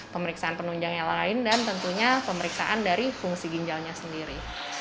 pemeriksaan penunjang yang lain dan tentunya pemeriksaan dari fungsi ginjalnya sendiri